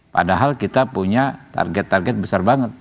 padahal kita punya target target besar banget